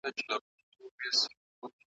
¬ گيدړي ته خپل پوست بلا دئ.